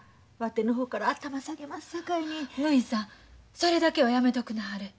それだけはやめとくなはれ。